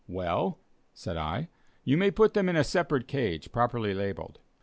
"Well," said I, "you may put them in a separate cage, properly labelled."